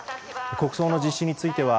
国葬の実施については